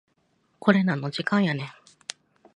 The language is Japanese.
これなんの時間やねん